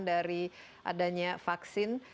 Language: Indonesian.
dari adanya vaksin